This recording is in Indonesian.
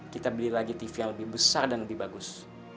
kita beli lagi tv yang lebih besar dan lebih bagus